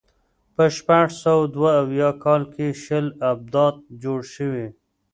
په شپږ سوه دوه اویا کال کې شل ابدات جوړ شوي.